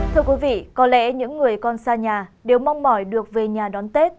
thưa quý vị có lẽ những người con xa nhà đều mong mỏi được về nhà đón tết